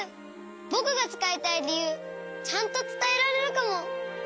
ぼくがつかいたいりゆうちゃんとつたえられるかも。